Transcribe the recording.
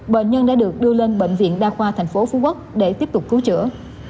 bệnh nhân đã được đưa lên bệnh viện đa khoa tp phú quốc để tiếp tục cứu chữa